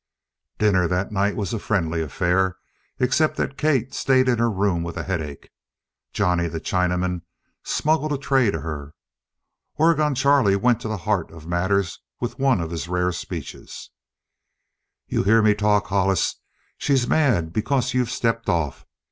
Dinner that night was a friendly affair, except that Kate stayed in her room with a headache. Johnny the Chinaman smuggled a tray to her. Oregon Charlie went to the heart of matters with one of his rare speeches: "You hear me talk, Hollis. She's mad because you've stepped off.